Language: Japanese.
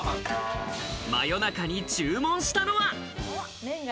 真夜中に注文したのは。